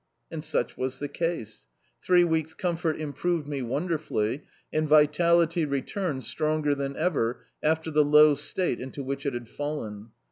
And such was the case: three weeks' c(»iifort improved me wonderfully and vitality returned stronger than ever after the low state into which it bad fallen.